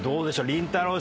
りんたろー。